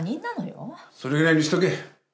それぐらいにしとけ。